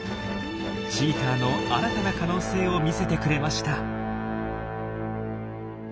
チーターの新たな可能性を見せてくれました。